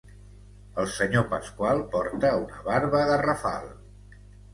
El senyor Pasqual porta una barba garrafal